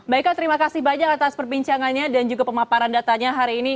mbak eka terima kasih banyak atas perbincangannya dan juga pemaparan datanya hari ini